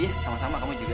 iya sama sama kamu juga